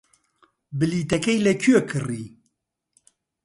بلیتەکەی لەکوێ کڕی؟